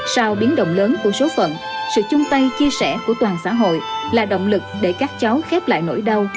sau biến động lớn của số phận sự chung tay chia sẻ của toàn xã hội là động lực để các cháu khép lại nỗi đau